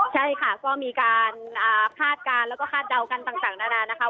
ใช่ค่ะก็มีการคาดการณ์แล้วก็คาดเดากันต่างนานานะคะ